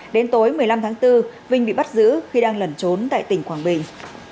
đến tối một mươi năm tháng bốn vinh bị bắt giữ khi đang lẩn trốn tại tỉnh quảng bình